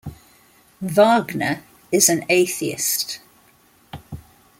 Wagner is an atheist.